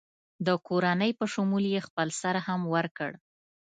د کورنۍ په شمول یې خپل سر هم ورکړ.